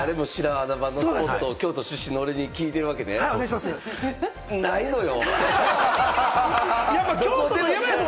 京都で穴場のスポット、京都出身の俺に聞いてるわけね？ないのよ。